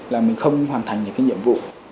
là mình không hoàn thành được cái nhiệm vụ